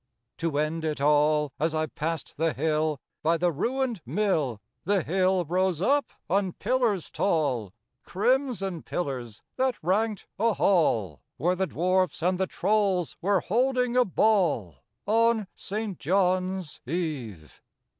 To end it all, As I passed the hill by the ruined mill, The hill rose up on pillars tall, Crimson pillars that ranked a hall, Where the Dwarfs and the Trolls were holding a ball, On St. John's Eve.